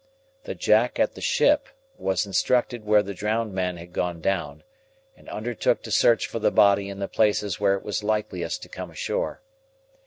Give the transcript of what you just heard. The Jack at the Ship was instructed where the drowned man had gone down, and undertook to search for the body in the places where it was likeliest to come ashore.